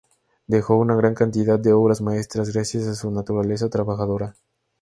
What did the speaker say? Dejó una gran cantidad de obras maestras gracias a su naturaleza trabajadora.